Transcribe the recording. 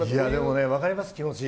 分かります、気持ち。